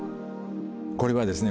これはですね